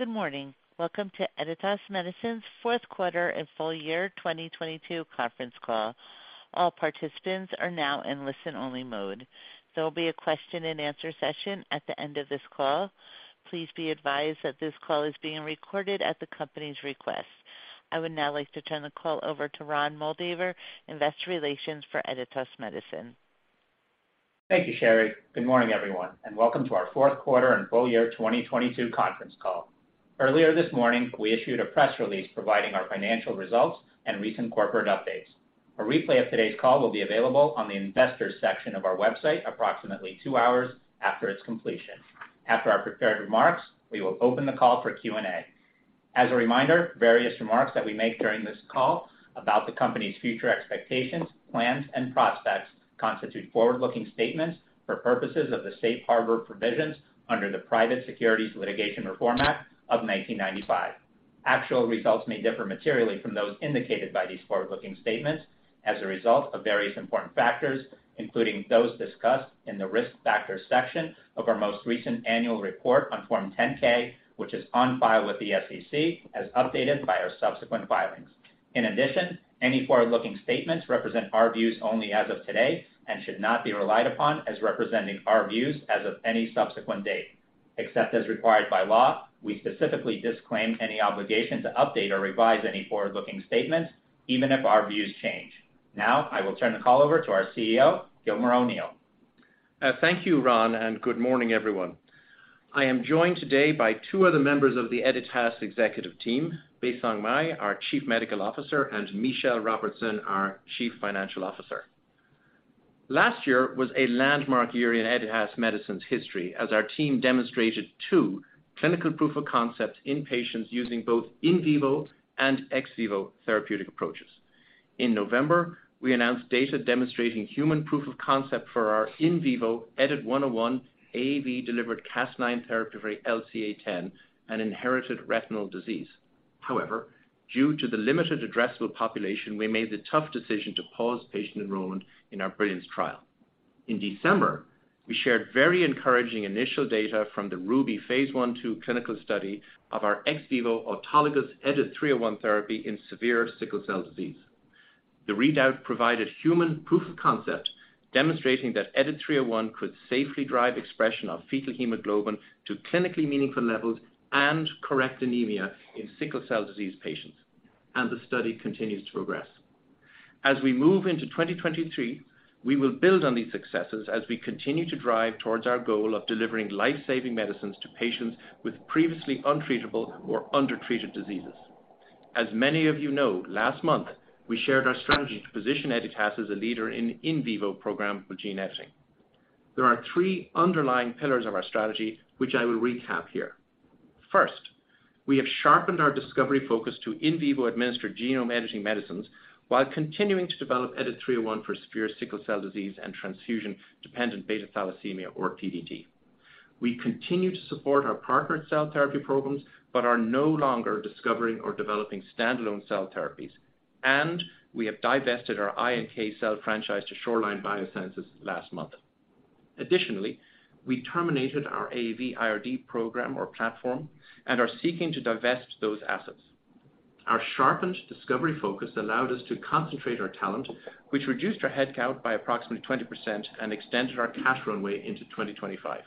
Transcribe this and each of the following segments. Good morning. Welcome to Editas Medicine's fourth quarter and full year 2022 conference call. All participants are now in listen-only mode. There will be a question and answer session at the end of this call. Please be advised that this call is being recorded at the company's request. I would now like to turn the call over to Cristi Barnett, investor relations for Editas Medicine. Thank you, Sherry. Good morning, everyone, and welcome to our fourth quarter and full year 2022 conference call. Earlier this morning, we issued a press release providing our financial results and recent corporate updates. A replay of today's call will be available on the investors section of our website approximately two hours after its completion. After our prepared remarks, we will open the call for Q&A. As a reminder, various remarks that we make during this call about the company's future expectations, plans, and prospects constitute forward-looking statements for purposes of the safe harbor provisions under the Private Securities Litigation Reform Act of 1995. Actual results may differ materially from those indicated by these forward-looking statements as a result of various important factors, including those discussed in the Risk Factors section of our most recent annual report on Form 10-K, which is on file with the SEC, as updated by our subsequent filings. In addition, any forward-looking statements represent our views only as of today and should not be relied upon as representing our views as of any subsequent date. Except as required by law, we specifically disclaim any obligation to update or revise any forward-looking statements, even if our views change. Now, I will turn the call over to our CEO, Gilmore O'Neill. Thank you, Ron, and good morning, everyone. I am joined today by two other members of the Editas executive team, Baisong Mei, our Chief Medical Officer, and Michelle Robertson, our Chief Financial Officer. Last year was a landmark year in Editas Medicine's history as our team demonstrated two clinical proof of concepts in patients using both in vivo and ex vivo therapeutic approaches. In November, we announced data demonstrating human proof of concept for our in vivo EDIT-101 AAV-delivered Cas9 therapy for LCA-10, an inherited retinal disease. However, due to the limited addressable population, we made the tough decision to pause patient enrollment in our BRILLIANCE trial. In December, we shared very encouraging initial data from the RUBY phase 1/2 clinical study of our ex vivo autologous EDIT-301 therapy in severe sickle cell disease. The readout provided human proof of concept, demonstrating that EDIT-301 could safely drive expression of fetal hemoglobin to clinically meaningful levels and correct anemia in sickle cell disease patients. The study continues to progress. As we move into 2023, we will build on these successes as we continue to drive towards our goal of delivering life-saving medicines to patients with previously untreatable or undertreated diseases. As many of you know, last month, we shared our strategy to position Editas as a leader in in vivo programmable gene editing. There are three underlying pillars of our strategy, which I will recap here. First, we have sharpened our discovery focus to in vivo administered genome editing medicines while continuing to develop EDIT-301 for severe sickle cell disease and transfusion-dependent beta-thalassemia, or TDT. We continue to support our partnered cell therapy programs but are no longer discovering or developing standalone cell therapies, and we have divested our iNK cell franchise to Shoreline Biosciences last month. Additionally, we terminated our AAV IRD program or platform and are seeking to divest those assets. Our sharpened discovery focus allowed us to concentrate our talent, which reduced our headcount by approximately 20% and extended our cash runway into 2025.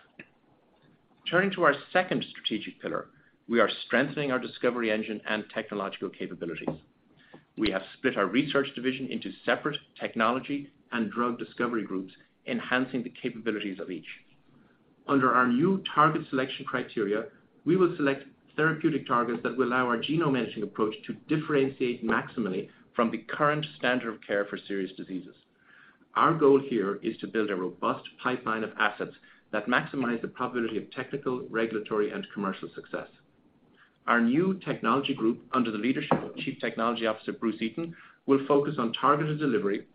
Turning to our second strategic pillar, we are strengthening our discovery engine and technological capabilities. We have split our research division into separate technology and drug discovery groups, enhancing the capabilities of each. Under our new target selection criteria, we will select therapeutic targets that will allow our genome editing approach to differentiate maximally from the current standard of care for serious diseases. Our goal here is to build a robust pipeline of assets that maximize the probability of technical, regulatory, and commercial success. Our new technology group, under the leadership of Chief Technology Officer Bruce Eaton, will focus on targeted delivery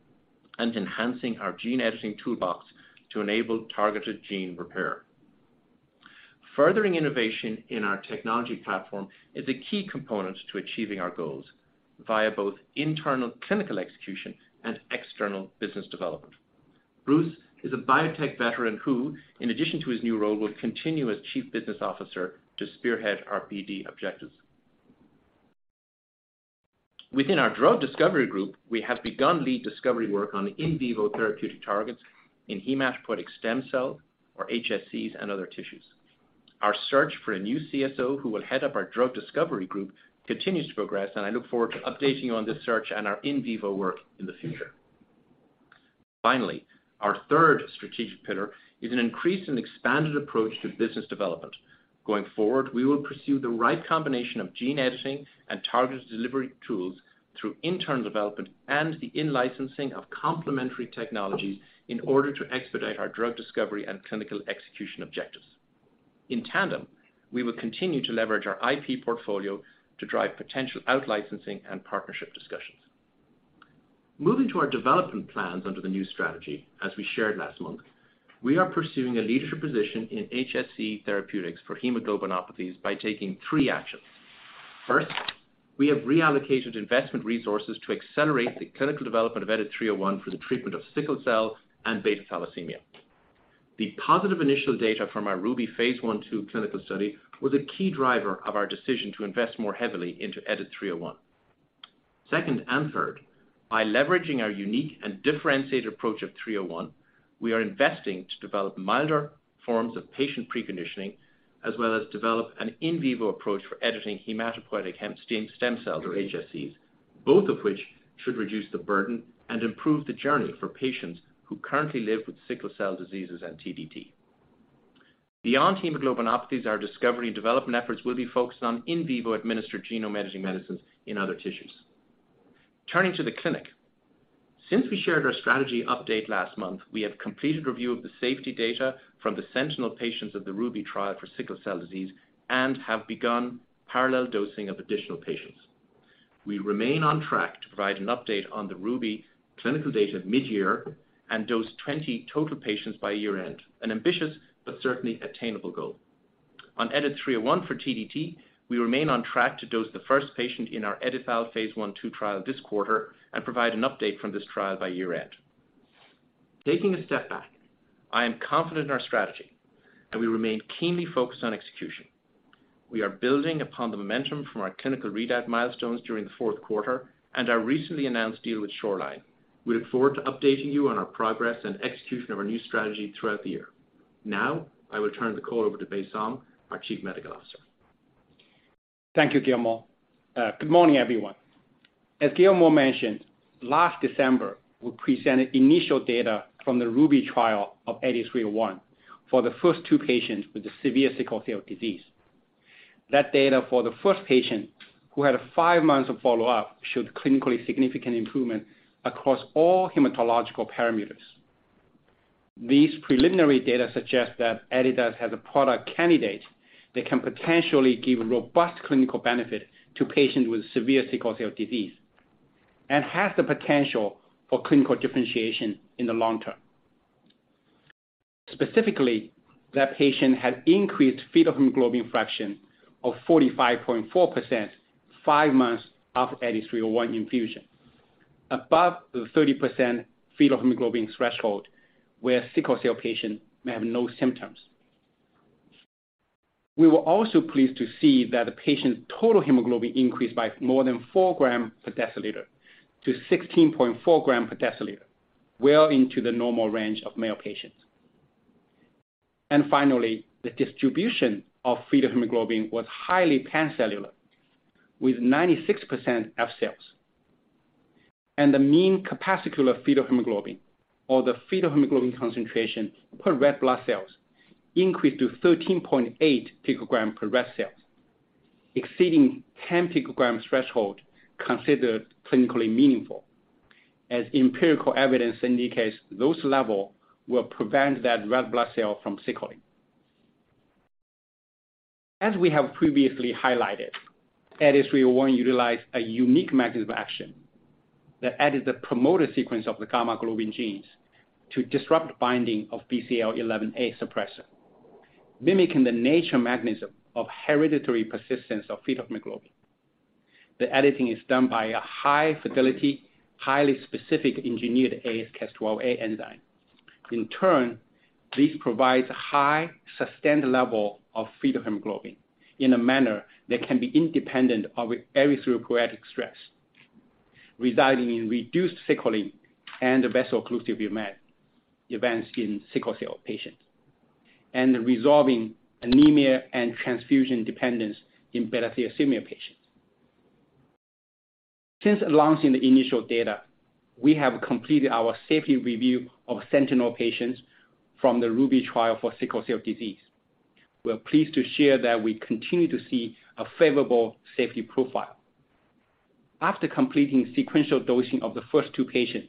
and enhancing our gene editing toolbox to enable targeted gene repair. Furthering innovation in our technology platform is a key component to achieving our goals via both internal clinical execution and external business development. Bruce is a biotech veteran who, in addition to his new role, will continue as Chief Business Officer to spearhead our PD objectives. Within our drug discovery group, we have begun lead discovery work on in vivo therapeutic targets in hematopoietic stem cell, or HSCs, and other tissues. Our search for a new CSO who will head up our drug discovery group continues to progress, and I look forward to updating you on this search and our in vivo work in the future. Finally, our third strategic pillar is an increased and expanded approach to business development. Going forward, we will pursue the right combination of gene editing and targeted delivery tools through internal development and the in-licensing of complementary technologies in order to expedite our drug discovery and clinical execution objectives. In tandem, we will continue to leverage our IP portfolio to drive potential out-licensing and partnership discussions. Moving to our development plans under the new strategy, as we shared last month, we are pursuing a leadership position in HSC therapeutics for hemoglobinopathies by taking three actions. First, we have reallocated investment resources to accelerate the clinical development of EDIT-301 for the treatment of sickle cell and beta thalassemia. The positive initial data from our RUBY phase 1/2 clinical study was a key driver of our decision to invest more heavily into EDIT-301. Second, and third, by leveraging our unique and differentiated approach of 301, we are investing to develop milder forms of patient preconditioning, as well as develop an in vivo approach for editing hematopoietic stem cells, or HSCs, both of which should reduce the burden and improve the journey for patients who currently live with sickle cell diseases and TDT. Beyond hemoglobinopathies, our discovery and development efforts will be focused on in vivo administered genome editing medicines in other tissues. Turning to the clinic. Since we shared our strategy update last month, we have completed review of the safety data from the Sentinel patients of the RUBY trial for sickle cell disease and have begun parallel dosing of additional patients. We remain on track to provide an update on the RUBY clinical data mid-year and dose 20 total patients by year-end, an ambitious but certainly attainable goal. On EDIT-301 for TDT, we remain on track to dose the first patient in our EdiTHAL phase 1/2 trial this quarter and provide an update from this trial by year-end. Taking a step back, I am confident in our strategy and we remain keenly focused on execution. We are building upon the momentum from our clinical readout milestones during the fourth quarter and our recently announced deal with Shoreline. We look forward to updating you on our progress and execution of our new strategy throughout the year. I will turn the call over to Baisong, our Chief Medical Officer. Thank you, Guillermo. Good morning, everyone. As Guillermo mentioned, last December, we presented initial data from the RUBY trial of EDIT-301 for the first two patients with the severe sickle cell disease. That data for the first patient who had five months of follow-up showed clinically significant improvement across all hematological parameters. These preliminary data suggest that Editas has a product candidate that can potentially give robust clinical benefit to patients with severe sickle cell disease and has the potential for clinical differentiation in the long term. Specifically, that patient had increased fetal hemoglobin fraction of 45.4% five months after EDIT-301 infusion, above the 30% fetal hemoglobin threshold where sickle cell patients may have no symptoms. We were also pleased to see that the patient's total hemoglobin increased by more than 4 gram per deciliter to 16.4 gram per deciliter, well into the normal range of male patients. Finally, the distribution of fetal hemoglobin was highly pancellular, with 96% F-cells. The mean corpuscular fetal hemoglobin, or the fetal hemoglobin concentration per red blood cells, increased to 13.8 picogram per red cells, exceeding 10 picogram threshold considered clinically meaningful, as empirical evidence indicates those level will prevent that red blood cell from sickling. As we have previously highlighted, EDIT-301 utilize a unique mechanism of action that edits the promoter sequence of the gamma-globin genes to disrupt binding of BCL11A suppressor, mimicking the natural mechanism of hereditary persistence of fetal hemoglobin. The editing is done by a high-fidelity, highly specific engineered AsCas12a enzyme. In turn, this provides a high, sustained level of fetal hemoglobin in a manner that can be independent of erythropoietic stress, resulting in reduced sickling and the vaso-occlusive events in sickle cell patients, and resolving anemia and transfusion dependence in beta thalassemia patients. Since launching the initial data, we have completed our safety review of Sentinel patients from the RUBY trial for sickle cell disease. We're pleased to share that we continue to see a favorable safety profile. After completing sequential dosing of the first two patients,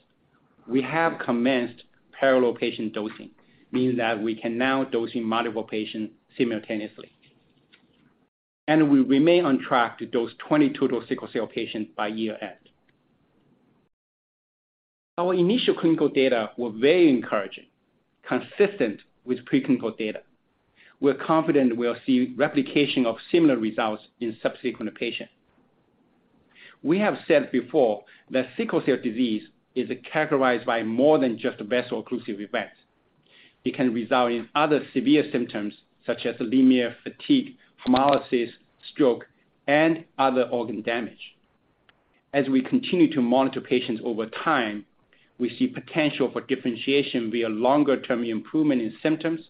we have commenced parallel patient dosing, meaning that we can now dosing multiple patients simultaneously. We remain on track to dose 20 total sickle cell patients by year-end. Our initial clinical data were very encouraging, consistent with preclinical data. We're confident we'll see replication of similar results in subsequent patients. We have said before that sickle cell disease is characterized by more than just vessel occlusive events. It can result in other severe symptoms such as anemia, fatigue, hemolysis, stroke, and other organ damage. As we continue to monitor patients over time, we see potential for differentiation via longer-term improvement in symptoms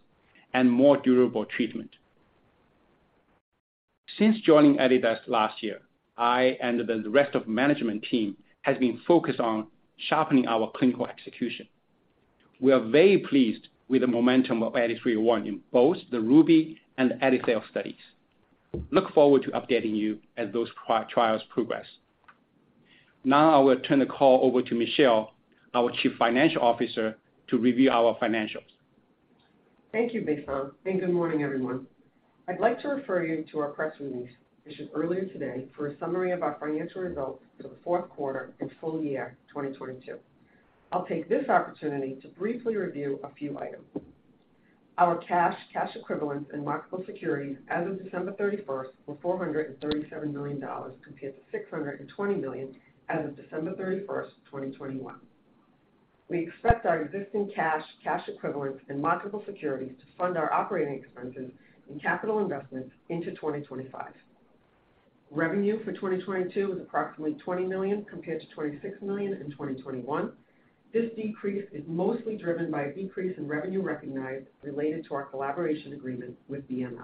and more durable treatment. Since joining Editas last year, I and the rest of management team has been focused on sharpening our clinical execution. We are very pleased with the momentum of EDIT-301 in both the RUBY and EdiTHAL studies. Look forward to updating you as those trials progress. I will turn the call over to Michelle, our Chief Financial Officer, to review our financials. Thank you, Baisong, and good morning, everyone. I'd like to refer you to our press release issued earlier today for a summary of our financial results for the fourth quarter and full year 2022. I'll take this opportunity to briefly review a few items. Our cash equivalents, and marketable securities as of December 31st were $437 million compared to $620 million as of December 31st, 2021. We expect our existing cash equivalents, and marketable securities to fund our operating expenses and capital investments into 2025. Revenue for 2022 was approximately $20 million compared to $26 million in 2021. This decrease is mostly driven by a decrease in revenue recognized related to our collaboration agreement with BMS.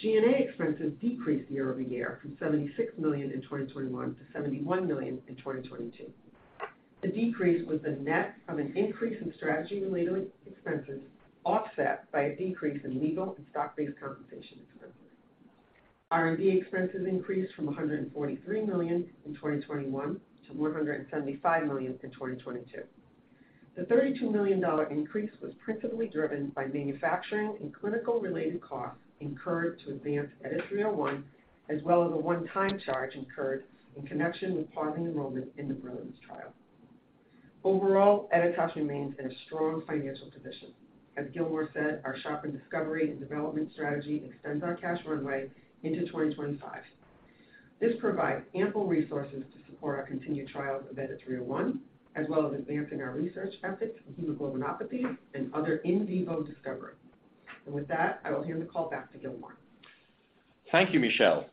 G&A expenses decreased year-over-year from $76 million in 2021 to $71 million in 2022. The decrease was the net from an increase in strategy-related expenses, offset by a decrease in legal and stock-based compensation expenses. R&D expenses increased from $143 million in 2021 to more $175 million in 2022. The $32 million increase was principally driven by manufacturing and clinical-related costs incurred to advance EDIT-301, as well as a one-time charge incurred in connection with pausing enrollment in the BRILLIANCE trial. Overall, Editas remains in a strong financial position. As Gilmore said, our sharpened discovery and development strategy extends our cash runway into 2025. This provides ample resources to support our continued trials of EDIT-301, as well as advancing our research efforts in hemoglobinopathies and other in vivo discovery. With that, I will hand the call back to Gilmore. Thank you, Michelle.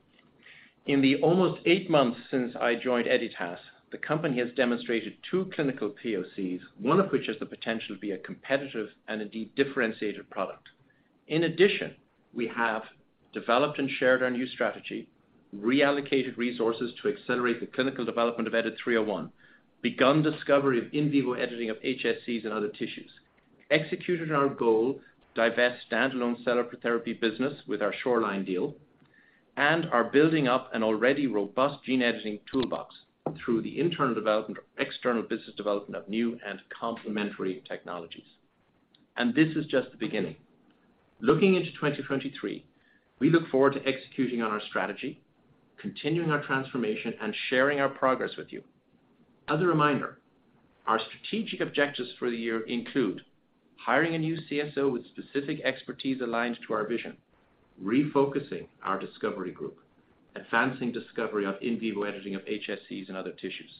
In the almost eight months since I joined Editas, the company has demonstrated two clinical POCs, one of which has the potential to be a competitive and indeed differentiated product. In addition, we have developed and shared our new strategy, reallocated resources to accelerate the clinical development of EDIT-301, begun discovery of in vivo editing of HSCs and other tissues, executed our goal to divest stand-alone cellular therapy business with our Shoreline deal, and are building up an already robust gene editing toolbox through the internal development or external business development of new and complementary technologies. This is just the beginning. Looking into 2023, we look forward to executing on our strategy, continuing our transformation, and sharing our progress with you. As a reminder, our strategic objectives for the year include hiring a new CSO with specific expertise aligned to our vision, refocusing our discovery group, advancing discovery of in vivo editing of HSCs and other tissues.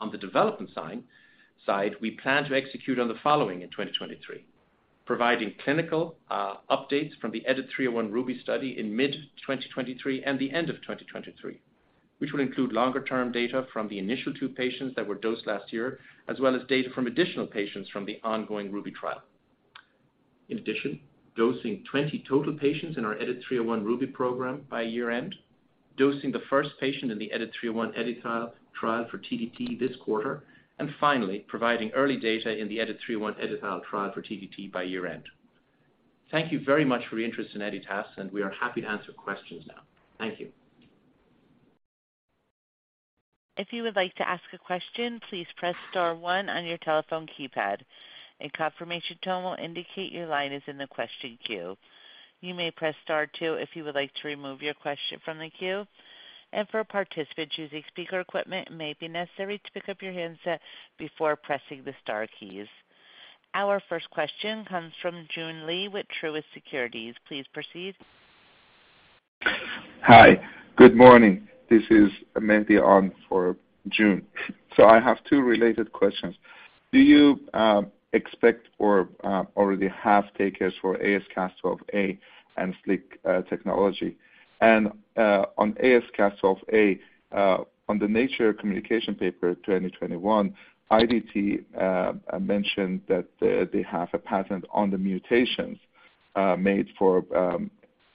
On the development side, we plan to execute on the following in 2023: providing clinical updates from the EDIT-301 RUBY study in mid-2023 and the end of 2023, which will include longer-term data from the initial two patients that were dosed last year, as well as data from additional patients from the ongoing RUBY trial. In addition, dosing 20 total patients in our EDIT-301 RUBY program by year-end, dosing the first patient in the EDIT-301 EdiTHAL trial for TDT this quarter, and finally, providing early data in the EDIT-301 EdiTHAL trial for TDT by year-end. Thank you very much for your interest in Editas. We are happy to answer questions now. Thank you. If you would like to ask a question, please press star one on your telephone keypad. A confirmation tone will indicate your line is in the question queue. You may press star two if you would like to remove your question from the queue. For participants using speaker equipment, it may be necessary to pick up your handset before pressing the star keys. Our first question comes from Joon Lee with Truist Securities. Please proceed. Hi. Good morning. This is Mehdi on for Joon. I have two related questions. Do you expect or already have takers for ASCas12a and SLEEK technology? On ASCas12a, on the Nature Communications paper 2021, IDT mentioned that they have a patent on the mutations made for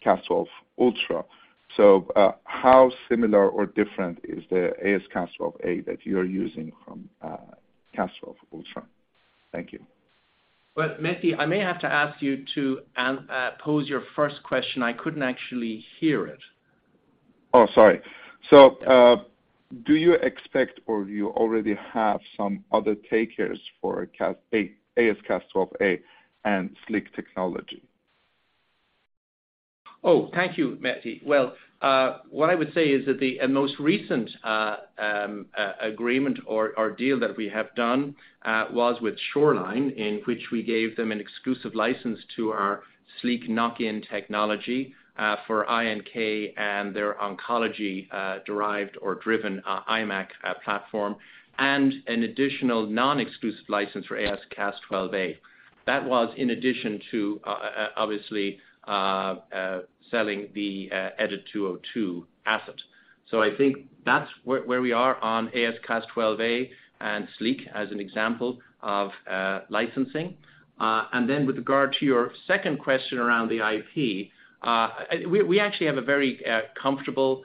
Cas12 Ultra. How similar or different is the ASCas12a that you're using from Cas12 Ultra? Thank you. Well, Mehdi, I may have to ask you to pose your first question. I couldn't actually hear it. Oh, sorry. Do you expect or do you already have some other takers for AsCas12a and SLEEK technology? Oh, thank you, Mehdi. Well, what I would say is that the most recent agreement or deal that we have done was with Shoreline, in which we gave them an exclusive license to our SLEEK knock-in technology for iNK and their oncology derived or driven iMACs platform, and an additional non-exclusive license for AsCas12a. That was in addition to obviously selling the EDIT-202 asset. I think that's where we are on AsCas12a and SLEEK as an example of licensing. With regard to your second question around the IP, we actually have a very comfortable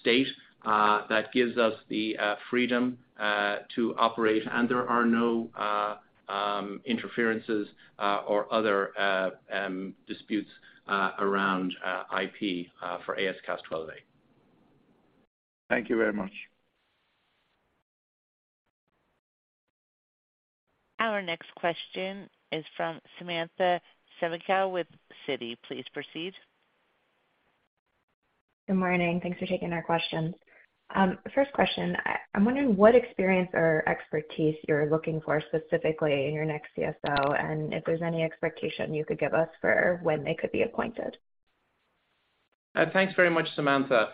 state that gives us the freedom to operate, and there are no interferences or other disputes around IP for AsCas12a. Thank you very much. Our next question is from Samantha Semenkow with Citi. Please proceed. Good morning. Thanks for taking our questions. First question, I'm wondering what experience or expertise you're looking for specifically in your next CSO, and if there's any expectation you could give us for when they could be appointed. Thanks very much, Samantha.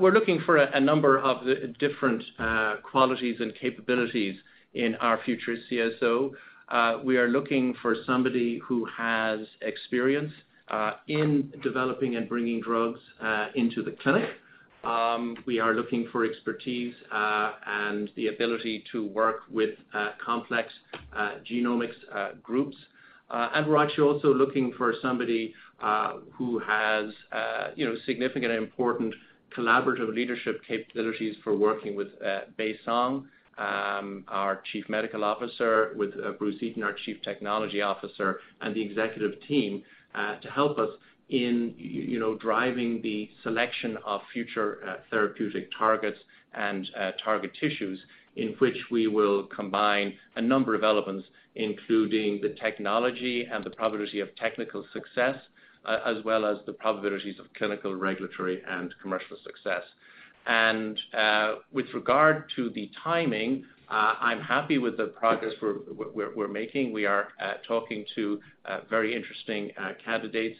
We're looking for a number of the different qualities and capabilities in our future CSO. We are looking for somebody who has experience in developing and bringing drugs into the clinic. We are looking for expertise and the ability to work with complex genomics groups. Actually also looking for somebody who has, you know, significant and important collaborative leadership capabilities for working with Baisong, our Chief Medical Officer, with Bruce Eaton, our Chief Technology Officer, and the executive team, to help us in, you know, driving the selection of future therapeutic targets and target tissues in which we will combine a number of elements, including the technology and the probability of technical success, as well as the probabilities of clinical, regulatory, and commercial success. And with regard to the timing, I'm happy with the progress we're making. We are talking to very interesting candidates.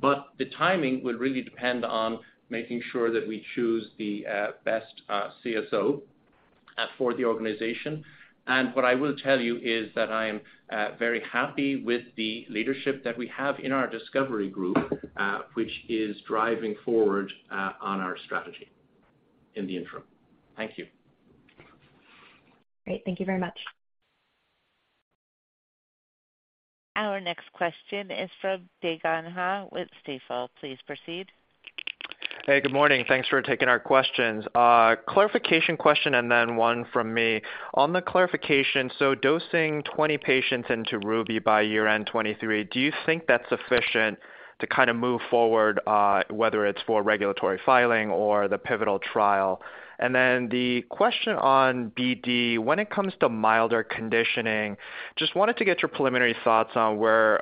But the timing will really depend on making sure that we choose the best CSO for the organization. What I will tell you is that I am very happy with the leadership that we have in our discovery group, which is driving forward on our strategy in the interim. Thank you. Great. Thank you very much. Our next question is from Dae Gon Ha with Stifel. Please proceed. Hey, good morning. Thanks for taking our questions. Clarification question and then one from me. On the clarification, dosing 20 patients into RUBY by year-end 2023, do you think that's sufficient to kinda move forward, whether it's for regulatory filing or the pivotal trial? The question on BD, when it comes to milder conditioning, just wanted to get your preliminary thoughts on where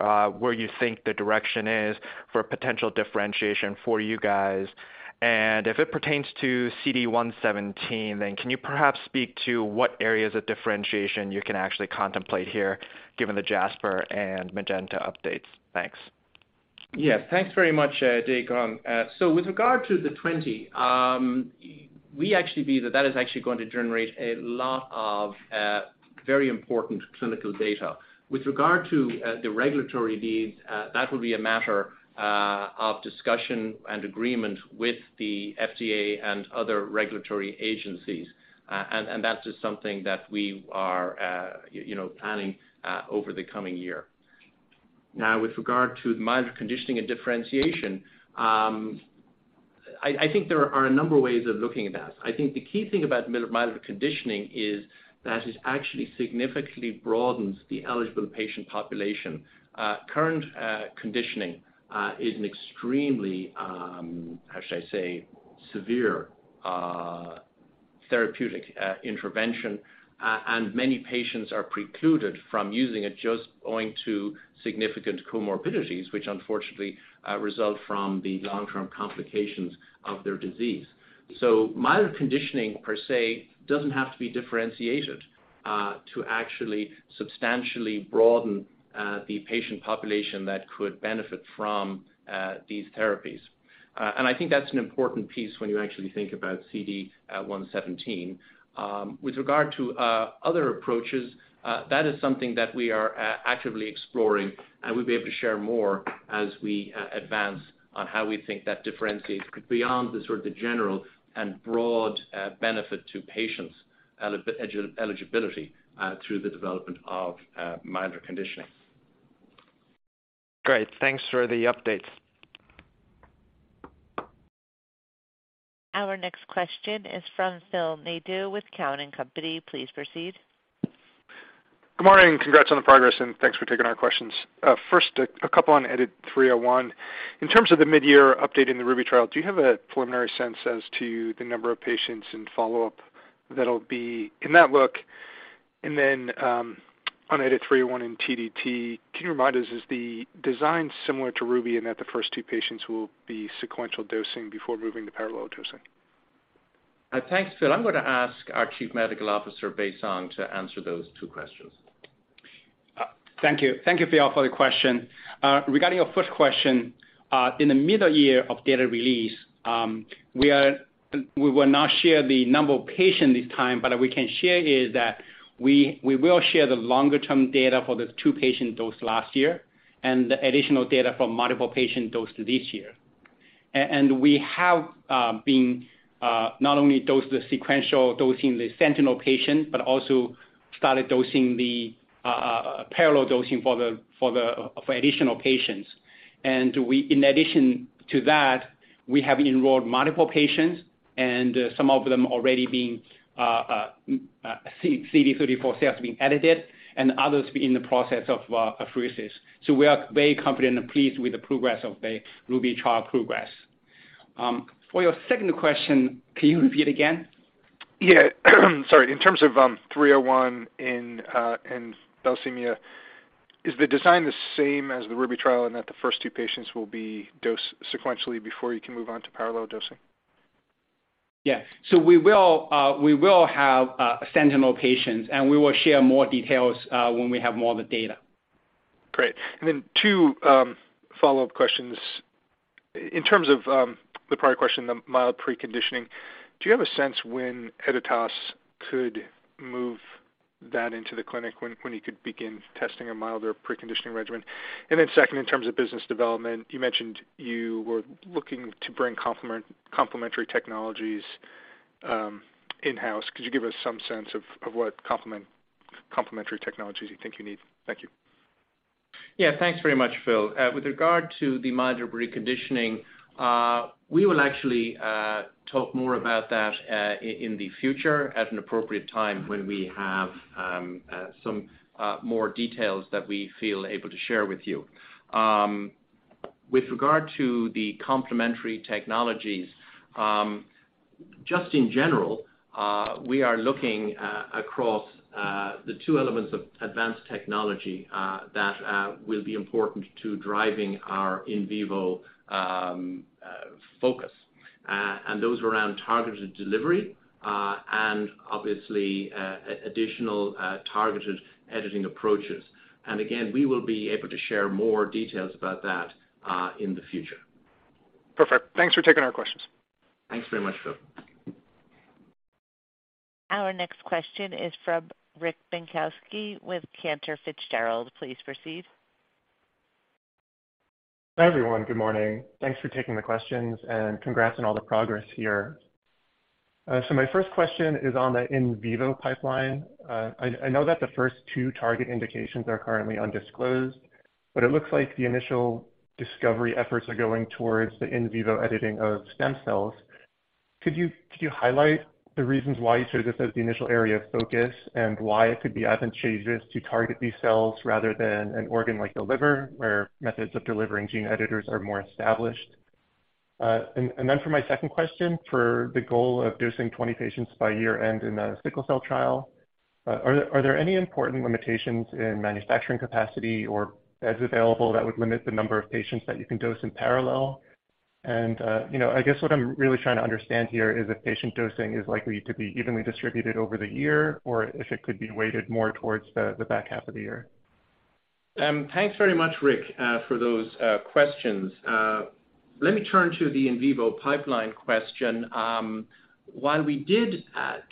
you think the direction is for potential differentiation for you guys. If it pertains to CD-117, can you perhaps speak to what areas of differentiation you can actually contemplate here, given the Jasper and Magenta updates? Thanks. Yes. Thanks very much, Dae Gon. With regard to the 20, we actually believe that that is actually going to generate a lot of very important clinical data. With regard to the regulatory needs, that will be a matter of discussion and agreement with the FDA and other regulatory agencies. And that's just something that we are, you know, planning over the coming year. With regard to the milder conditioning and differentiation, I think there are a number of ways of looking at that. I think the key thing about milder conditioning is that it actually significantly broadens the eligible patient population. current conditioning is an extremely severe therapeutic intervention, and many patients are precluded from using it just owing to significant comorbidities, which unfortunately result from the long-term complications of their disease. Milder conditioning per se doesn't have to be differentiated to actually substantially broaden the patient population that could benefit from these therapies. I think that's an important piece when you actually think about CD-117. With regard to other approaches, that is something that we are actively exploring, and we'll be able to share more as we advance on how we think that differentiates beyond the sort of the general and broad benefit to patients' eligibility through the development of milder conditioning. Great. Thanks for the updates. Our next question is from Phil Nadeau with Cowen and Company. Please proceed. Good morning. Congrats on the progress. Thanks for taking our questions. First, a couple on EDIT-301. In terms of the mid-year update in the RUBY trial, do you have a preliminary sense as to the number of patients in follow-up that'll be in that look? On EDIT-301 in TDT, can you remind us, is the design similar to RUBY in that the first two patients will be sequential dosing before moving to parallel dosing? Thanks, Phil. I'm gonna ask our Chief Medical Officer, Bei Song, to answer those two questions. Thank you. Thank you, Phil, for the question. Regarding your first question, in the middle year of data release, we will not share the number of patients this time, but what we can share is that we will share the longer-term data for the two patients dosed last year and the additional data for multiple patients dosed this year. We have been not only dose the sequential dosing the sentinel patient, but also started dosing the parallel dosing for the additional patients. In addition to that, we have enrolled multiple patients, some of them already being CD34 cells being edited and others in the process of apheresis. We are very confident and pleased with the progress of the RUBY trial progress. For your second question, can you repeat again? Yeah. Sorry. In terms of, EDIT-301 in thalassemia, is the design the same as the RUBY trial in that the first two patients will be dosed sequentially before you can move on to parallel dosing? Yeah. We will, we will have sentinel patients, and we will share more details when we have more of the data. Great. Two follow-up questions. In terms of the prior question, the mild preconditioning, do you have a sense when Editas could move that into the clinic, when you could begin testing a milder preconditioning regimen? Second, in terms of business development, you mentioned you were looking to bring complementary technologies in-house. Could you give us some sense of what complementary technologies you think you need? Thank you. Yeah. Thanks very much, Phil. With regard to the milder preconditioning, we will actually talk more about that in the future at an appropriate time when we have some more details that we feel able to share with you. With regard to the complementary technologies, just in general, we are looking across the two elements of advanced technology that will be important to driving our in vivo focus. Those around targeted delivery, and obviously, additional, targeted editing approaches. Again, we will be able to share more details about that in the future. Perfect. Thanks for taking our questions. Thanks very much, Phil. Our next question is from Eric Schmidt with Cantor Fitzgerald. Please proceed. Hi, everyone. Good morning. Thanks for taking the questions. Congrats on all the progress here. My first question is on the in vivo pipeline. I know that the first two target indications are currently undisclosed, but it looks like the initial discovery efforts are going towards the in vivo editing of stem cells. Could you highlight the reasons why you chose this as the initial area of focus and why it could be advantageous to target these cells rather than an organ like the liver, where methods of delivering gene editors are more established? Then for my second question, for the goal of dosing 20 patients by year-end in the sickle cell trial, are there any important limitations in manufacturing capacity or beds available that would limit the number of patients that you can dose in parallel? You know, I guess what I'm really trying to understand here is if patient dosing is likely to be evenly distributed over the year or if it could be weighted more towards the back half of the year. Thanks very much, Ric, for those questions. Let me turn to the in vivo pipeline question. While we did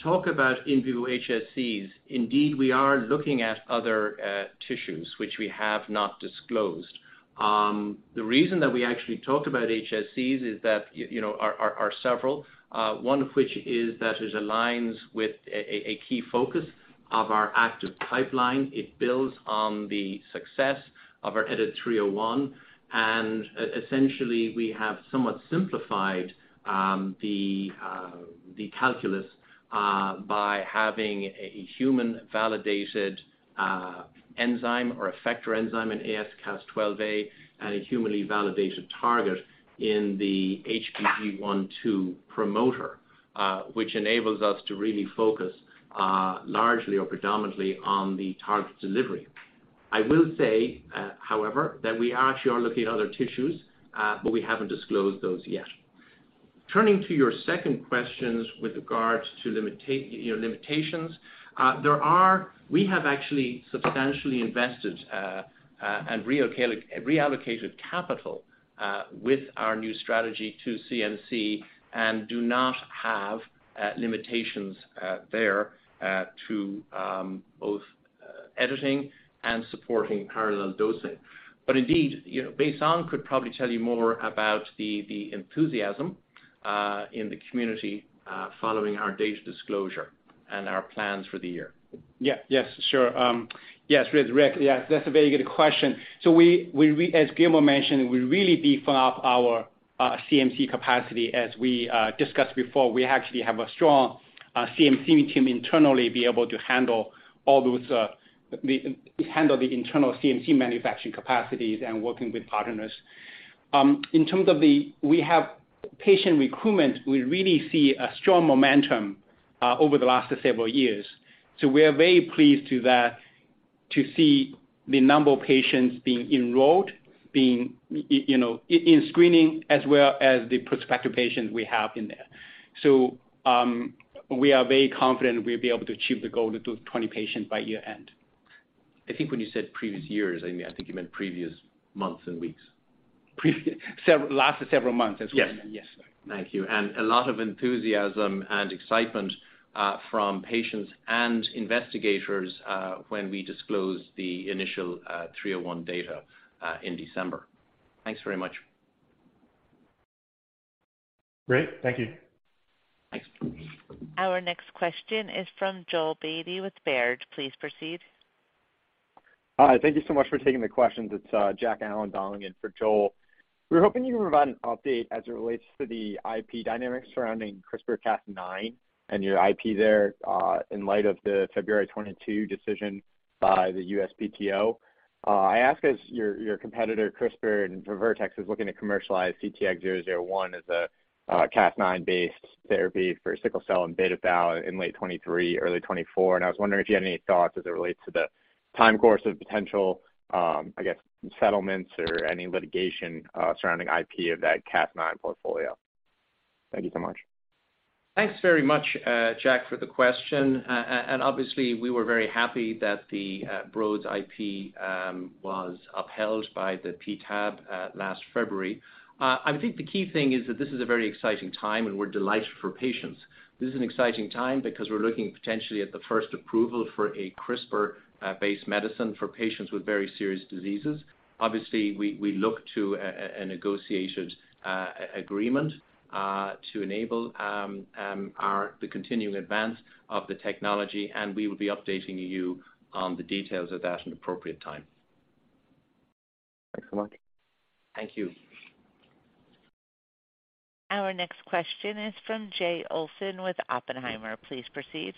talk about in vivo HSCs, indeed, we are looking at other tissues which we have not disclosed. The reason that we actually talk about HSCs is that, you know, are several, one of which is that it aligns with a key focus of our active pipeline. It builds on the success of our EDIT-301. Essentially, we have somewhat simplified the calculus by having a human-validated enzyme or effector enzyme in AsCas12a and a humanly validated target in the HBG1/2 promoter, which enables us to really focus largely or predominantly on the target delivery. I will say, however, that we actually are looking at other tissues, but we haven't disclosed those yet. Turning to your second questions with regards to, you know, limitations, we have actually substantially invested and reallocated capital with our new strategy to CMC and do not have limitations there to both editing and supporting parallel dosing. Indeed, you know, Baisong could probably tell you more about the enthusiasm in the community following our data disclosure and our plans for the year. Yeah. Yes. Sure. Yes. Ric, yes, that's a very good question. As Gilmore mentioned, we really beefed up our CMC capacity. As we discussed before, we actually have a strong CMC team internally be able to handle all those handle the internal CMC manufacturing capacities and working with partners. We have patient recruitment. We really see a strong momentum over the last several years. We are very pleased to that, to see the number of patients being enrolled, being, you know, in screening as well as the prospective patients we have in there. We are very confident we'll be able to achieve the goal to do 20 patients by year-end. I think when you said previous years, I mean, I think you meant previous months and weeks. Several, last several months is what I meant. Yes. Yes. Thank you. A lot of enthusiasm and excitement from patients and investigators when we disclose the initial 301 data in December. Thanks very much. Great. Thank you. Thanks. Our next question is from Joel Beatty with Baird. Please proceed. Hi. Thank you so much for taking the questions. It's Jack Allen dialing in for Joel. We were hoping you could provide an update as it relates to the IP dynamics surrounding CRISPR/Cas9 and your IP there, in light of the February 22 decision by the USPTO. I ask as your competitor, CRISPR Therapeutics and for Vertex Pharmaceuticals, is looking to commercialize CTX001 as a Cas9-based therapy for sickle cell and beta thal in late 2023, early 2024. I was wondering if you had any thoughts as it relates to the time course of potential, I guess, settlements or any litigation surrounding IP of that Cas9 portfolio. Thank you so much. Thanks very much, Jack, for the question. Obviously we were very happy that the Broad's IP was upheld by the PTAB last February. I think the key thing is that this is a very exciting time, and we're delighted for patients. This is an exciting time because we're looking potentially at the first approval for a CRISPR-based medicine for patients with very serious diseases. Obviously we look to a negotiated agreement to enable the continuing advance of the technology, and we will be updating you on the details of that in appropriate time. Thanks so much. Thank you. Our next question is from Jay Olson with Oppenheimer. Please proceed.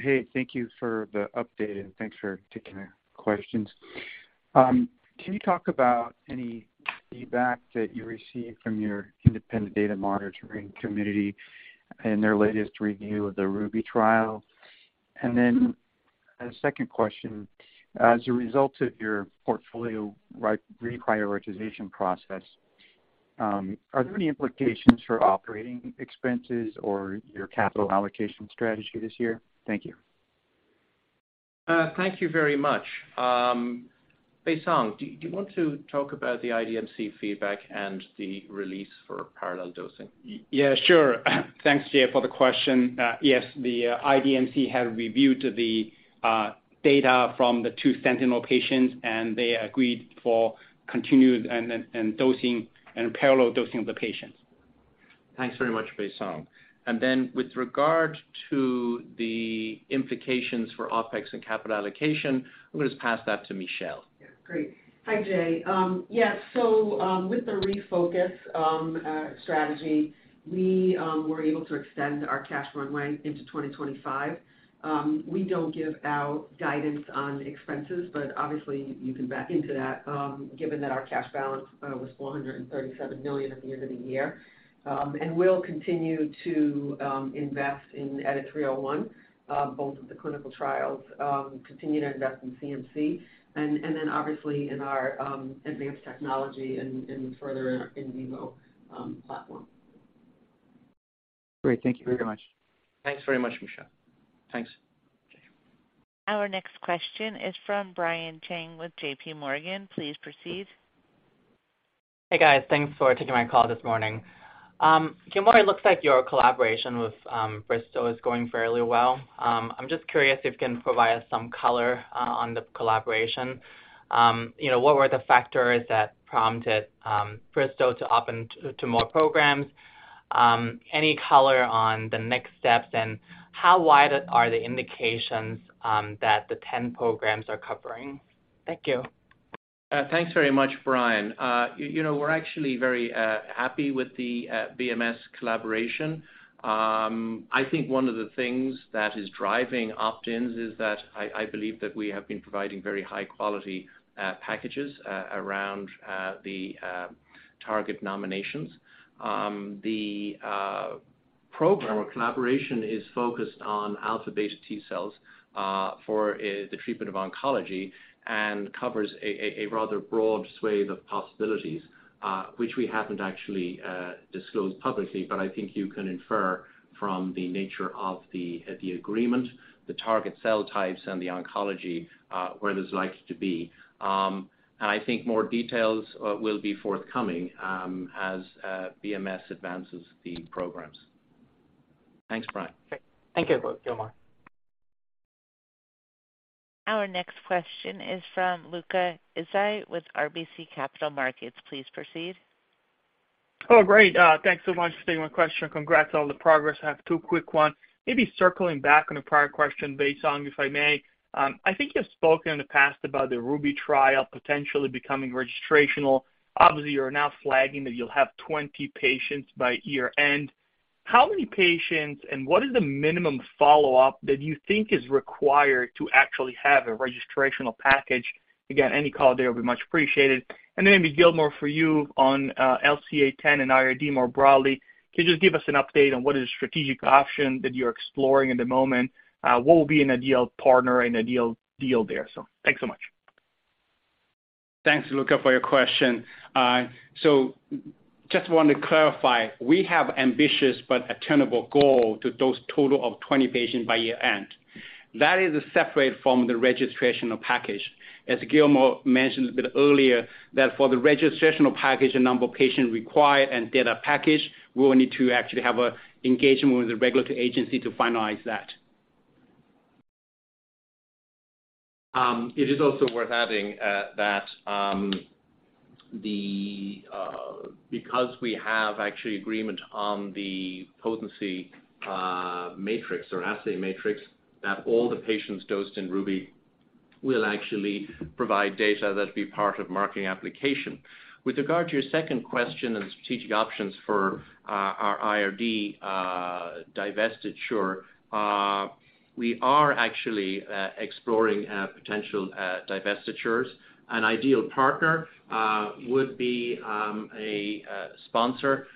Hey, thank you for the update, thanks for taking the questions. Can you talk about any feedback that you received from your Independent Data Monitoring Committee in their latest review of the RUBY trial? A second question, as a result of your portfolio reprioritization process, are there any implications for operating expenses or your capital allocation strategy this year? Thank you. Thank you very much. Baisong, do you want to talk about the IDMC feedback and the release for parallel dosing? Yeah, sure. Thanks, Jay, for the question. Yes, the IDMC has reviewed the data from the two sentinel patients. They agreed for continued and dosing and parallel dosing of the patients. Thanks very much, Baisong. With regard to the implications for OpEx and capital allocation, I'm gonna just pass that to Michelle. Yeah, great. Hi, Jay. With the refocus strategy, we were able to extend our cash runway into 2025. We don't give out guidance on expenses, but obviously you can back into that, given that our cash balance was $437 million at the end of the year. We'll continue to invest in EDIT-301, both of the clinical trials, continue to invest in CMC and then obviously in our advanced technology and further in vivo platform. Great. Thank you very much. Thanks very much, Michelle. Thanks. Okay. Our next question is from Brian Cheng with J.P. Morgan. Please proceed. Hey, guys. Thanks for taking my call this morning. Gilmore, it looks like your collaboration with Bristol is going fairly well. I'm just curious if you can provide us some color on the collaboration. you know, what were the factors that prompted Bristol to opt in to more programs? Any color on the next steps, and how wide are the indications that the 10 programs are covering? Thank you. Thanks very much, Brian. You know, we're actually very happy with the BMS collaboration. I think one of the things that is driving opt-ins is that I believe that we have been providing very high quality packages around the target nominations. The program or collaboration is focused on alpha-beta T cells for the treatment of oncology and covers a rather broad swath of possibilities, which we haven't actually disclosed publicly, but I think you can infer from the nature of the agreement, the target cell types and the oncology, where there's likely to be. I think more details will be forthcoming as BMS advances the programs. Thanks, Brian. Great. Thank you, Gilmore. Our next question is from Luca Issi with RBC Capital Markets. Please proceed. Great. Thanks so much for taking my question. Congrats on all the progress. I have two quick one. Maybe circling back on a prior question, Baisong, if I may. I think you've spoken in the past about the RUBY trial potentially becoming registrational. Obviously, you're now flagging that you'll have 20 patients by year-end. How many patients, and what is the minimum follow-up that you think is required to actually have a registrational package? Again, any call there will be much appreciated. Then maybe Gilmore for you on LCA-10 and IRD more broadly. Can you just give us an update on what is strategic option that you're exploring in the moment? What will be an ideal partner and ideal deal there? Thanks so much. Thanks, Luca, for your question. Just wanted to clarify, we have ambitious but attainable goal to dose total of 20 patients by year-end. That is separate from the registrational package. As Gilmore mentioned a bit earlier, that for the registrational package, the number of patients required and data package, we will need to actually have a engagement with the regulatory agency to finalize that. It is also worth adding that because we have actually agreement on the potency matrix or assay matrix that all the patients dosed in RUBY will actually provide data that'll be part of marketing application. With regard to your second question on strategic options for our IRD divestiture, we are actually exploring potential divestitures. An ideal partner would be a sponsor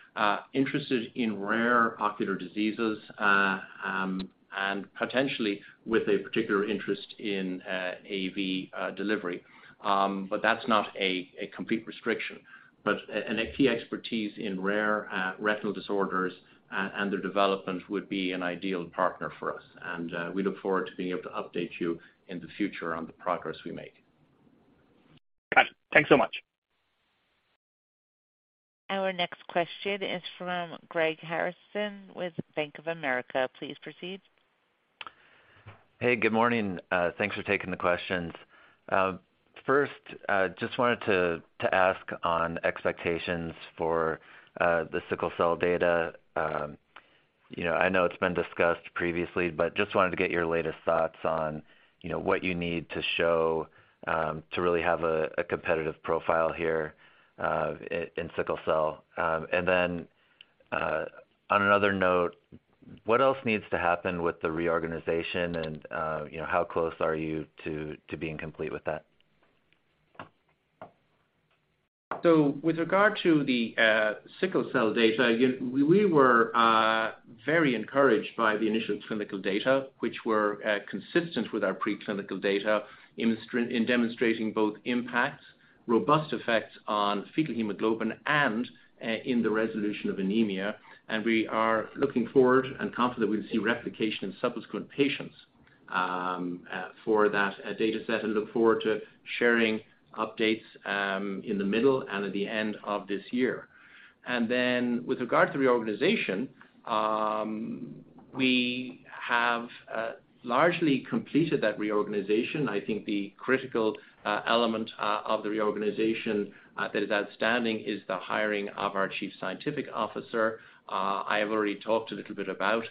interested in rare ocular diseases and potentially with a particular interest in AAV delivery. That's not a complete restriction. A key expertise in rare retinal disorders and their development would be an ideal partner for us. We look forward to being able to update you in the future on the progress we make. Got it. Thanks so much. Our next question is from Greg Harrison with Bank of America. Please proceed. Hey, good morning. Thanks for taking the questions. First, just wanted to ask on expectations for the sickle cell data. You know, I know it's been discussed previously, but just wanted to get your latest thoughts on, you know, what you need to show to really have a competitive profile here in sickle cell. On another note, what else needs to happen with the reorganization and, you know, how close are you to being complete with that? With regard to the sickle cell data, we were very encouraged by the initial clinical data, which were consistent with our preclinical data in demonstrating both impacts, robust effects on fetal hemoglobin and in the resolution of anemia. We are looking forward and confident we'll see replication in subsequent patients for that data set, and look forward to sharing updates in the middle and at the end of this year. With regard to reorganization, we have largely completed that reorganization. I think the critical element of the reorganization that is outstanding is the hiring of our chief scientific officer. I have already talked a little bit about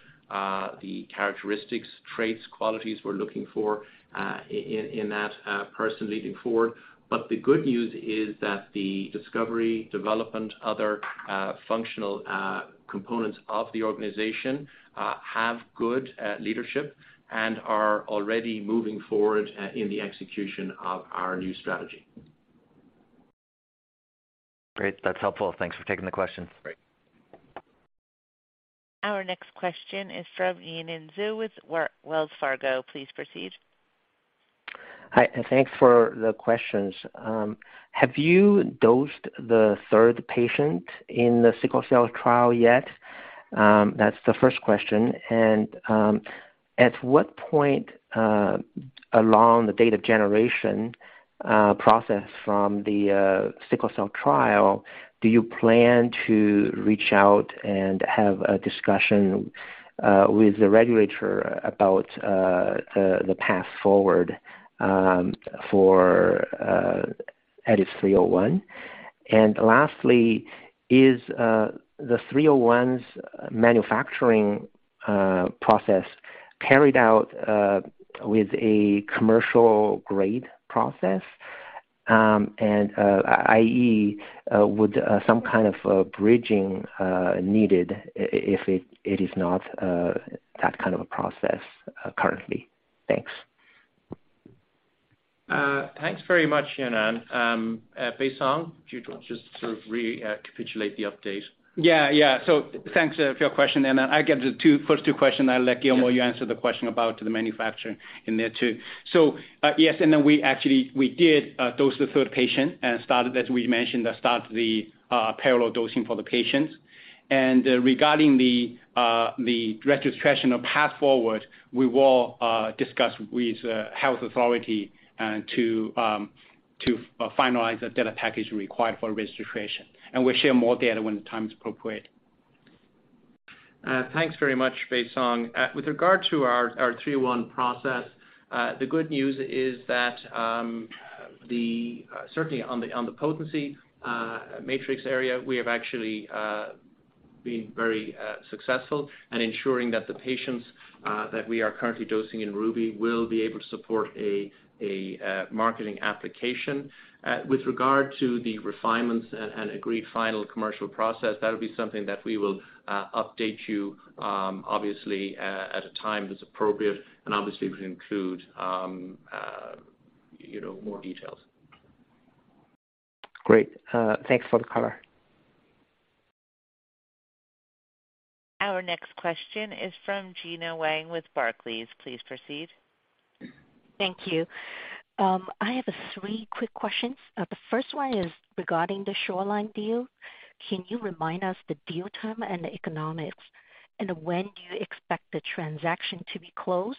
the characteristics, traits, qualities we're looking for in that person leading forward. The good news is that the discovery, development, other, functional, components of the organization, have good, leadership and are already moving forward, in the execution of our new strategy. Great. That's helpful. Thanks for taking the questions. Great. Our next question is from Yanan Zhu with Wells Fargo. Please proceed. Hi, thanks for the questions. Have you dosed the third patient in the sickle cell trial yet? That's the first question. At what point along the data generation process from the sickle cell trial do you plan to reach out and have a discussion with the regulator about the path forward for EDIT-301? Lastly, is the 301's manufacturing process carried out with a commercial grade process, and i.e., would some kind of bridging needed if it is not that kind of a process currently? Thanks. Thanks very much, Yanan. Baisong, do you want just to sort of recapitulate the update? Yeah. Yeah. Thanks for your question, Yanan. I'll get the first two question, and I'll let Gilmore you answer the question about the manufacturing in there too. Yes, Yanan, we actually did dose the third patient and started, as we mentioned, start the parallel dosing for the patients. Regarding the registration of path forward, we will discuss with health authority to finalize the data package required for registration. We'll share more data when the time is appropriate. Thanks very much, Baisong. With regard to our 301 process, the good news is that, certainly on the potency matrix area, we have actually been very successful in ensuring that the patients that we are currently dosing in RUBY will be able to support a marketing application. With regard to the refinements and agreed final commercial process, that'll be something that we will update you, obviously, at a time that's appropriate and obviously will include, you know, more details. Great. Thanks for the color. Our next question is from Gena Wang with Barclays. Please proceed. Thank you. I have three quick questions. The 1st one is regarding the Shoreline deal. Can you remind us the deal term and the economics, and when do you expect the transaction to be closed?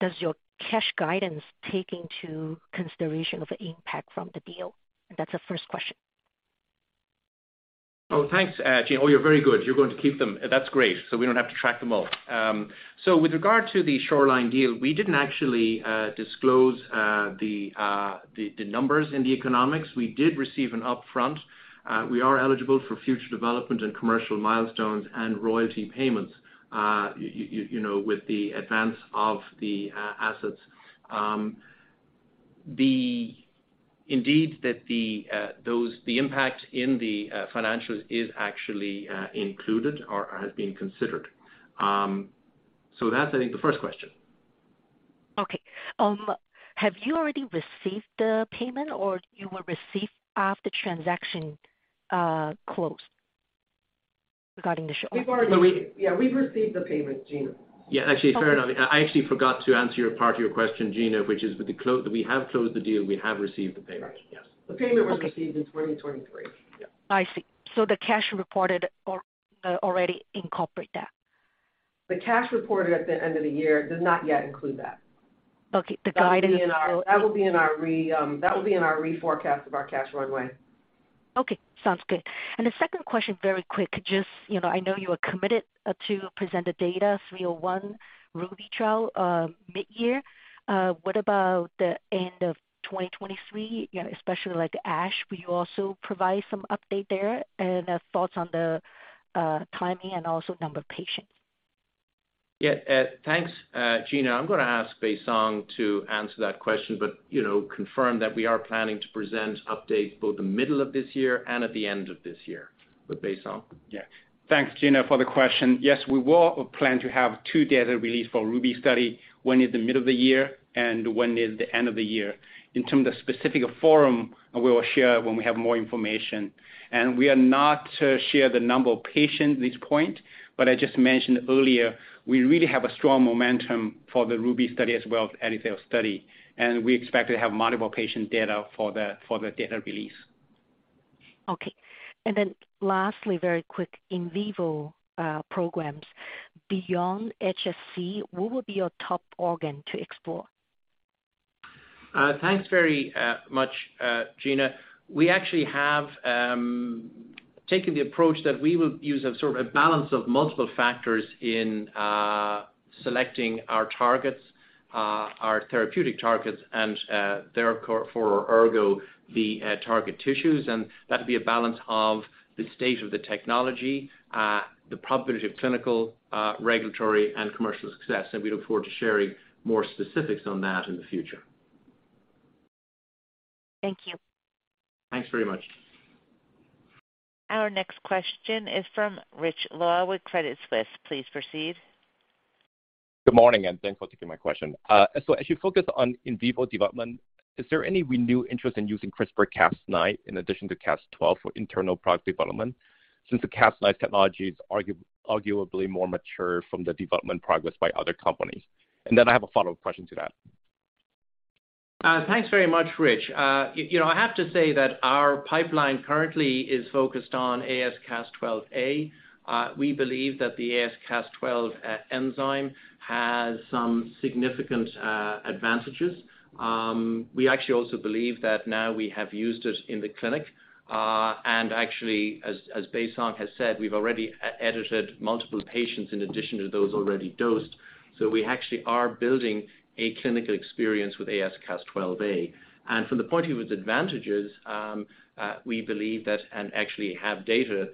Does your cash guidance take into consideration of the impact from the deal? That's the first question. Thanks, Gena. You're very good. You're going to keep them. That's great. We don't have to track them all. With regard to the Shoreline deal, we didn't actually disclose the numbers in the economics. We did receive an upfront. We are eligible for future development and commercial milestones and royalty payments, you know, with the advance of the assets. Indeed, that those, the impact in the financials is actually included or has been considered. That's, I think, the first question. Okay. Have you already received the payment, or you will receive after transaction, close regarding the Shoreline? We've already- But we- Yeah, we've received the payment, Gena. Yeah. Okay. Fair enough. I actually forgot to answer part of your question, Gena, which is we have closed the deal, we have received the payment. Right. Yes. The payment was. Okay. Received in 2023. Yeah. I see. The cash reported already incorporate that? The cash reported at the end of the year does not yet include that. Okay. The guidance- That will be in our reforecast of our cash runway. Okay, sounds good. The second question, very quick. Just, you know, I know you are committed to present the data EDIT-301 RUBY trial mid-year. What about the end of 2023, you know, especially like ASH, will you also provide some update there and thoughts on the timing and also number of patients? Thanks, Gena. I'm gonna ask Baisong to answer that question, you know, confirm that we are planning to present updates both the middle of this year and at the end of this year. Baisong. Yeah. Thanks, Gena, for the question. Yes, we will plan to have two data release for RUBY study, one in the middle of the year and one near the end of the year. In terms of specific forum, we will share when we have more information. We are not to share the number of patients at this point, but I just mentioned earlier, we really have a strong momentum for the RUBY study as well as EdiCel study, and we expect to have multiple patient data for the data release. Okay. Lastly, very quick. In vivo, programs, beyond HSC, what would be your top organ to explore? Thanks very much, Gena. We actually have taken the approach that we will use a sort of a balance of multiple factors in selecting our targets, our therapeutic targets and therefore, ergo, the target tissues. That would be a balance of the state of the technology, the probability of clinical, regulatory and commercial success. We look forward to sharing more specifics on that in the future. Thank you. Thanks very much. Our next question is from Rich Law with Credit Suisse. Please proceed. Good morning. Thanks for taking my question. As you focus on in vivo development, is there any renewed interest in using CRISPR-Cas9 in addition to Cas12 for internal product development, since the Cas9 technology is arguably more mature from the development progress by other companies? I have a follow-up question to that. Thanks very much, Rich. You know, I have to say that our pipeline currently is focused on AS-Cas12a. We believe that the AS-Cas12 enzyme has some significant advantages. We actually also believe that now we have used it in the clinic. Actually, as Bei Song has said, we've already e-edited multiple patients in addition to those already dosed. We actually are building a clinical experience with AS-Cas12a. From the point of view of advantages, we believe that, and actually have data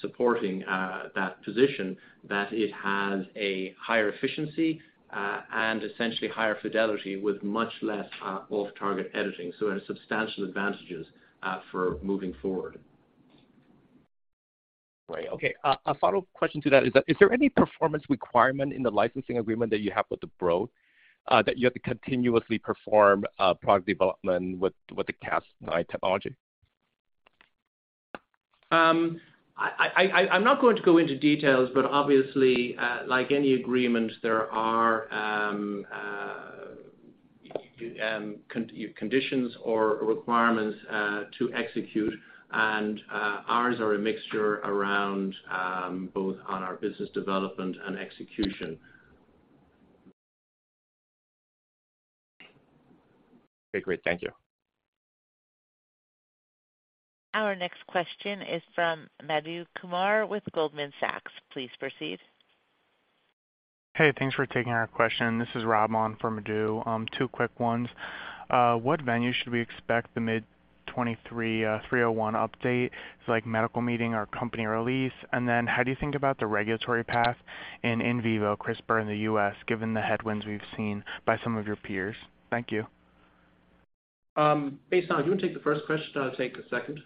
supporting that position, that it has a higher efficiency and essentially higher fidelity with much less off-target editing. It has substantial advantages for moving forward. Right. Okay. A follow-up question to that is there any performance requirement in the licensing agreement that you have with the Broad, that you have to continuously perform product development with the Cas9 technology? I'm not going to go into details, but obviously, like any agreement, there are conditions or requirements to execute. Ours are a mixture around both on our business development and execution. Okay, great. Thank you. Our next question is from Madhu Kumar with Goldman Sachs. Please proceed. Hey, thanks for taking our question. This is Rob on for Madhu. Two quick ones. What venue should we expect the mid-2023 301 update? Is it like medical meeting or company release? How do you think about the regulatory path in in vivo CRISPR in the U.S., given the headwinds we've seen by some of your peers? Thank you. Bei Song, do you wanna take the first question? I'll take the second.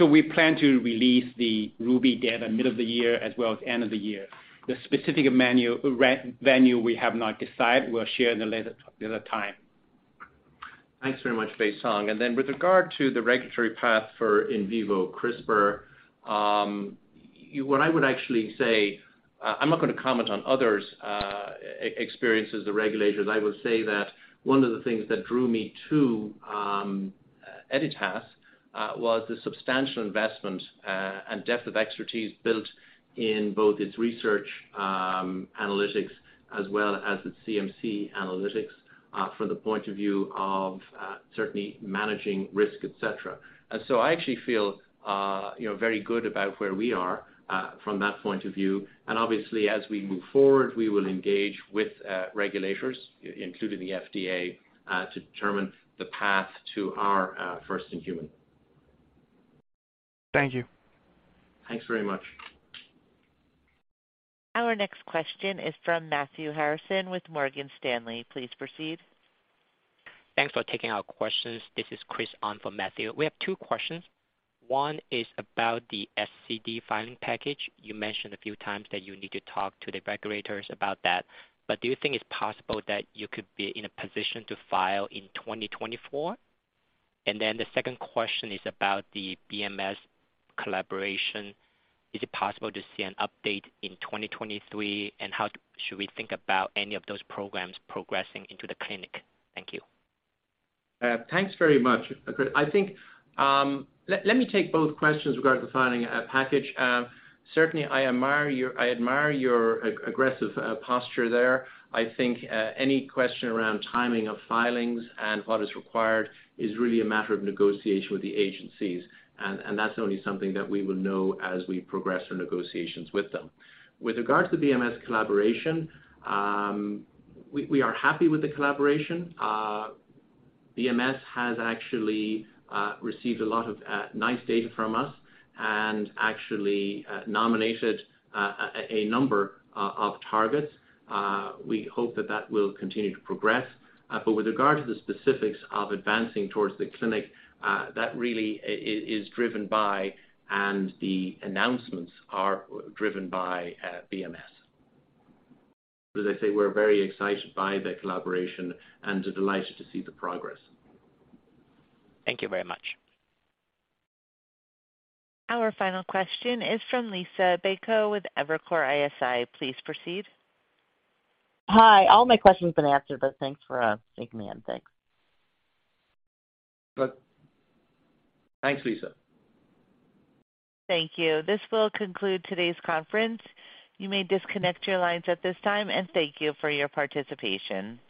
We plan to release the RUBY data mid of the year as well as end of the year. The specific revenue we have not decided. We'll share in a later time. Thanks very much, Bei Song. With regard to the regulatory path for in vivo CRISPR, what I would actually say, I'm not gonna comment on others, the regulators. I will say that one of the things that drew me to Editas was the substantial investment and depth of expertise built in both its research analytics as well as its CMC analytics from the point of view of certainly managing risk, et cetera. I actually feel, you know, very good about where we are from that point of view. Obviously, as we move forward, we will engage with regulators, including the FDA, to determine the path to our first in human. Thank you. Thanks very much. Our next question is from Matthew Harrison with Morgan Stanley. Please proceed. Thanks for taking our questions. This is Chris on for Matthew. We have two questions. One is about the SCD filing package. You mentioned a few times that you need to talk to the regulators about that. Do you think it's possible that you could be in a position to file in 2024? The second question is about the BMS collaboration. Is it possible to see an update in 2023? How should we think about any of those programs progressing into the clinic? Thank you. Thanks very much, Chris. I think, let me take both questions regarding the filing package. Certainly, I admire your aggressive, posture there. I think, any question around timing of filings and what is required is really a matter of negotiation with the agencies, and that's only something that we will know as we progress our negotiations with them. With regards to BMS collaboration, we are happy with the collaboration. BMS has actually, received a lot of, nice data from us and actually, nominated, a number of targets. We hope that that will continue to progress. With regard to the specifics of advancing towards the clinic, that really is driven by, and the announcements are driven by, BMS. As I say, we're very excited by the collaboration and delighted to see the progress. Thank you very much. Our final question is from Liisa Bayko with Evercore ISI. Please proceed. Hi. All my questions have been answered. Thanks for taking them in. Thanks. Good. Thanks, Liisa. Thank you. This will conclude today's conference. You may disconnect your lines at this time, and thank you for your participation.